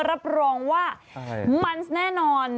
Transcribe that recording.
รับรองว่ามันแน่นอน